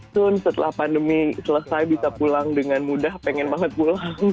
sun setelah pandemi selesai bisa pulang dengan mudah pengen banget pulang